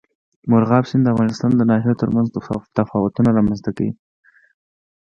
مورغاب سیند د افغانستان د ناحیو ترمنځ تفاوتونه رامنځ ته کوي.